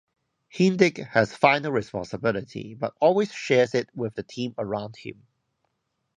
Hiddink has final responsibility, but always shares it with the team around him.